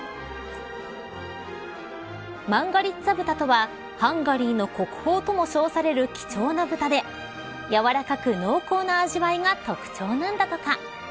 マンガリッツァ豚とはハンガリーの国宝とも称される貴重な豚でやわらかく濃厚な味わいが特徴なんだとか。